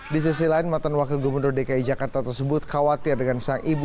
di sisi lain matan wakil gubernur dki jakarta tersebut khawatir dengan sang ibu